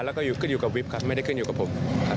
แล้วก็อยู่กับวิภิรัติการไม่ได้ขึ้นอยู่กับผม